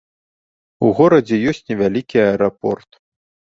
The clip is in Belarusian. У горадзе ёсць невялікі аэрапорт.